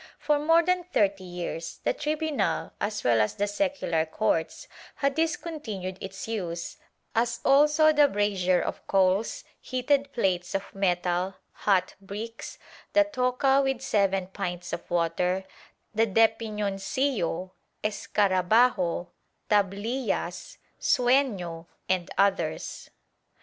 For more than thirty years the tribunal, as well as the secular courts, had discontinued its use as also the brazier of coals, heated plates of metal, hot bricks, the toca with seven pints of water, the depinoncillo, escarahajo, tablillas, sueno and others.